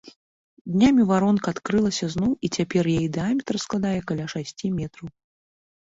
Днямі варонка адкрылася зноў і цяпер яе дыяметр складае каля шасці метраў.